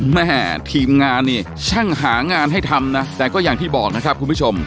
แม่ทีมงานนี่ช่างหางานให้ทำนะแต่ก็อย่างที่บอกนะครับคุณผู้ชม